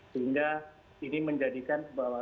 sehingga ini menjadikan bahwa